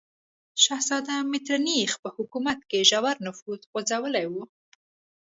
شهزاده میترنیخ په حکومت کې ژور نفوذ غځولی و.